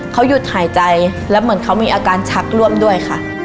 เขาหยุดหายใจแล้วเหมือนเขามีอาการชักร่วมด้วยค่ะ